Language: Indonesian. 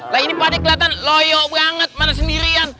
lah ini pak deh kelihatan loyok banget pada sendirian